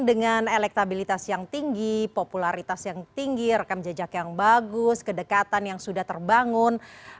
dengan elektabilitas yang tinggi popularitas yang tinggi rekam jejak yang bagus kedekatan yang sudah terbangun